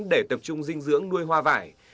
để tập trung dinh dưỡng nuôi hoa vải